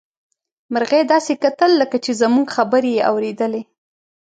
مرغۍ داسې کتل لکه چې زموږ خبرې يې اوريدلې.